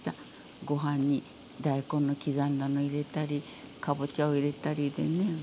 ご飯に大根の刻んだの入れたりかぼちゃを入れたりでね